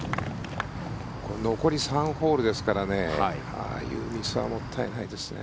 残り３ホールですからねああいうミスはもったいないですね。